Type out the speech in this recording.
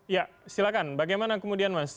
ya silahkan bagaimana kemudian mas